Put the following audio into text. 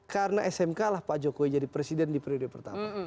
karena smk lah pak jokowi jadi presiden di periode pertama